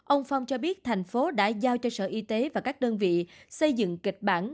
ông phong cho biết thành phố đã giao cho sở y tế và các đơn vị xây dựng kịch bản